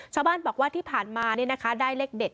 ชาวบ้านบอกว่าที่ผ่านมาได้เลขเด็ด